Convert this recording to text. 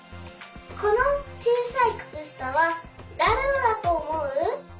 このちいさいくつしたはだれのだとおもう？